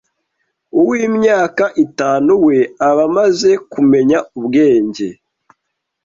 Uw’imyaka itanu we aba amaze kumenya ubwenge